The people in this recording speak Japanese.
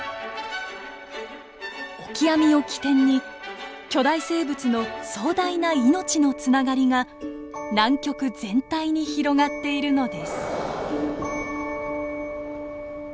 オキアミを起点に巨大生物の壮大な命のつながりが南極全体に広がっているのです。